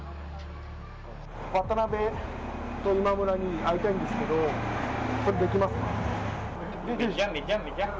渡辺と今村に会いたいんですけど、できますか？